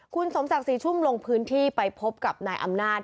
คุณสมศักดิ์ศรีชุ่มลงพื้นที่ไปพบกับนายอำนาจ